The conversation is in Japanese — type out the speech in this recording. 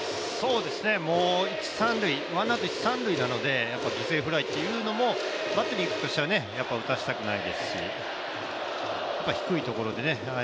もうワンアウト一・三塁なので、犠牲フライっていうのもバッテリーとしてもやっぱり打たせたくないですし、低いところでね。